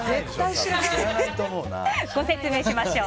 ご説明しましょう。